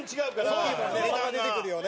蛍原：差が出てくるよね。